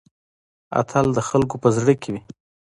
اتل د خلکو په زړه کې وي